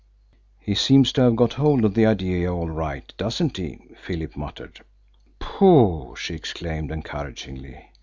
"He seems to have got hold of the idea all right, doesn't he?" Philip muttered. "Pooh!" she exclaimed encouragingly.